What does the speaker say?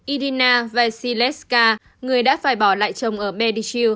irina vesileska người đã phải bỏ lại chồng ở medici